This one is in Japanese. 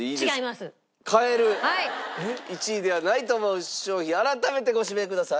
１位ではないと思う商品改めてご指名ください。